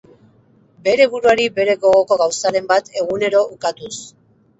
Bere buruari bere gogoko gauzaren bat egunero ukatuz.